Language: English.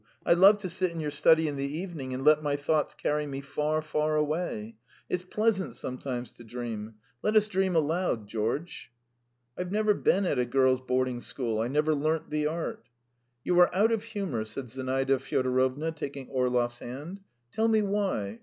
I love to sit in your study in the evening and let my thoughts carry me far, far away. ... It's pleasant sometimes to dream. Let us dream aloud, George." "I've never been at a girls' boarding school; I never learnt the art." "You are out of humour?" said Zinaida Fyodorovna, taking Orlov's hand. "Tell me why.